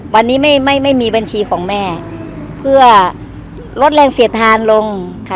วันนี้ไม่ไม่มีบัญชีของแม่เพื่อลดแรงเสียดทานลงค่ะ